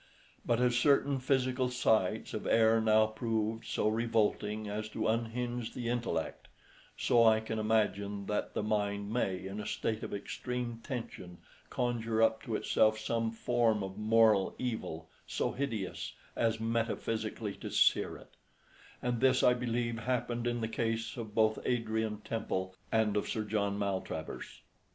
But as certain physical sights have ere now proved so revolting as to unhinge the intellect, so I can imagine that the mind may in a state of extreme tension conjure up to itself some form of moral evil so hideous as metaphysically to sear it: and this, I believe, happened in the case both of Adrian Temple and of Sir John Maltravers.